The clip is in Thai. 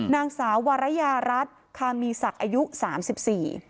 นางสาววารยารัฐคามีศักดิ์อายุสามสิบสี่